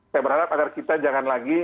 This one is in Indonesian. saya berharap agar kita jangan lagi